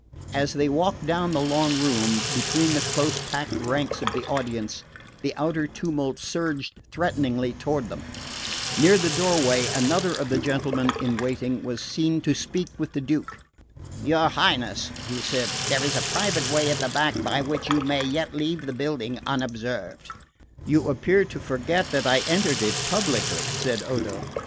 As they walked down the long room, between the close packed ranks of the audience, the outer tumult surged threateningly toward them. Near the doorway, another of the gentlemen in waiting was seen to speak with the Duke. "Your Highness," he said, "there is a private way at the back by which you may yet leave the building unobserved." "You appear to forget that I entered it publicly," said Odo.